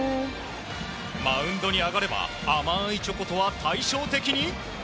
マウンドに上がれば甘いチョコとは対照的に。